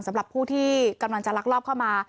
สำหรับผู้ที่กำลังจะลักลอบเข้ามา